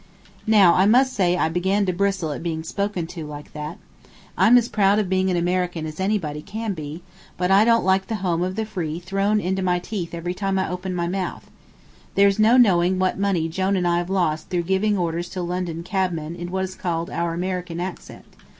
Now I must say I began to bristle at being spoken to like that. I'm as proud of being an American as anybody can be, but I don't like the home of the free thrown into my teeth every time I open my mouth. There's no knowing what money Jone and I have lost through giving orders to London cabmen in what is called our American accent.